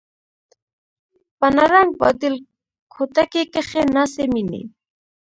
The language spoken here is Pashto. په نرنګ، باډېل کوټکي کښي ناڅي میني